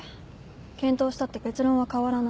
検討したって結論は変わらない。